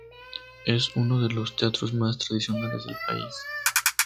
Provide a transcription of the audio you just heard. Es uno de los teatros más tradicionales del país.